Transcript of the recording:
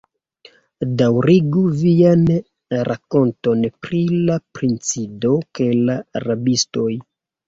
Daŭrigu vian rakonton pri la princido kaj la rabistoj.